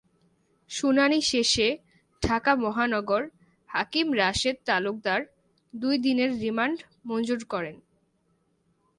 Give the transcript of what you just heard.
শুনানি শেষে ঢাকা মহানগর হাকিম রাশেদ তালুকদার দুই দিনের রিমান্ড মঞ্জুর করেন।